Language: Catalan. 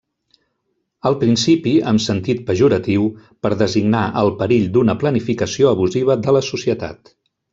Al principi, amb sentit pejoratiu, per designar el perill d'una planificació abusiva de la societat.